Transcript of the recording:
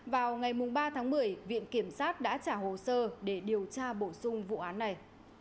vào ngày ba tháng một mươi viện kiểm sát đã trả hồ sơ để điều tra bổ sung vụ án này